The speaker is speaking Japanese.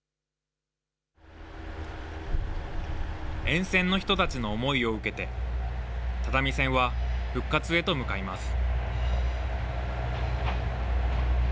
沿線の人たちの思いを受けて、只見線は復活へと向かいます。